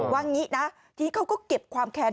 ว่างี้นะทีนี้เขาก็เก็บความแค้น